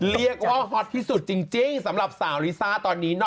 ฮอตที่สุดจริงสำหรับสาวลิซ่าตอนนี้